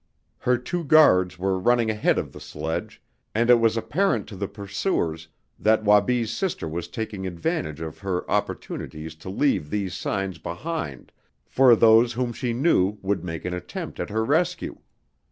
Her two guards were running ahead of the sledge, and it was apparent to the pursuers that Wabi's sister was taking advantage of her opportunities to leave these signs behind for those whom she knew would make an attempt at her rescue.